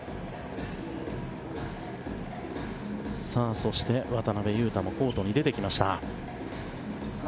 そして、渡邊雄太もコートに出てきました。